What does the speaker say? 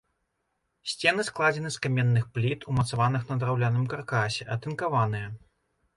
Сцены складзены з каменных пліт, умацаваных на драўляным каркасе, атынкаваныя.